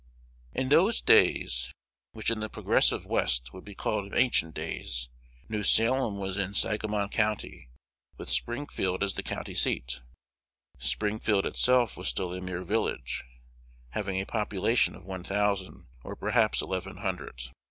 In those days, which in the progressive West would be called ancient days, New Salem was in Sangamon County, with Springfield as the county seat. Springfield itself was still a mere village, having a population of one thousand, or perhaps eleven hundred.